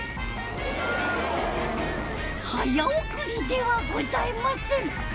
早送りではございません！